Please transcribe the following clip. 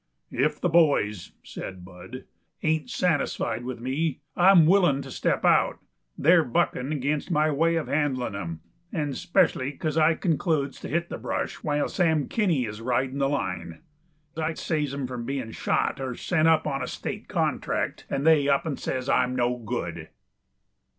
"If the boys," said Bud, "ain't satisfied with me, I'm willing to step out. They're buckin' against my way of handlin' 'em. And 'specially because I concludes to hit the brush while Sam Kinney is ridin' the line. I saves 'em from bein' shot or sent up on a state contract, and they up and says I'm no good."